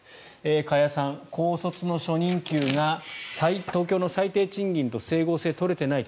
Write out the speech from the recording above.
加谷さん高卒の初任給が東京の最低賃金と整合性が取れていない